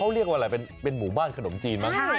เขาเรียกว่าอะไรเป็นหมู่บ้านขนมจีนมั้ง